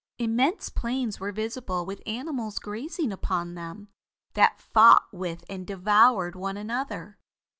"Immense plains were visible with animals grazing upon them, that fought with and devoured one another.